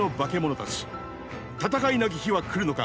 戦いなき日は来るのか。